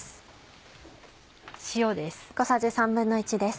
塩です。